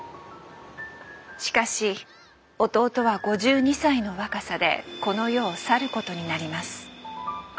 しかし弟は５２歳の若さでこの世を去ることになります。